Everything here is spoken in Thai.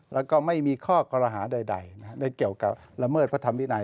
แล้วก็ไม่มีข้อคอรหาใดได้เกี่ยวกับละเมิดพระธรรมวินัย